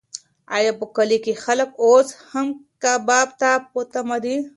ایا په کلي کې خلک اوس هم کباب ته په تمه دي؟